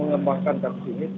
mereka bisa menambahkan kasus ini